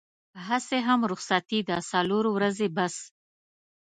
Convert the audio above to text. هسې هم رخصتي ده څلور ورځې بس.